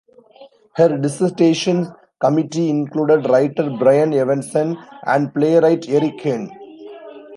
Her dissertation committee included writer Brian Evenson and playwright Erik Ehn.